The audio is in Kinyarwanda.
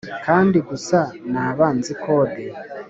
kandi gusa naba nzi code.